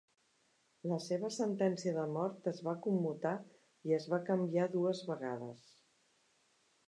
La seva sentència de mort es va commutar i es va canviar dues vegades.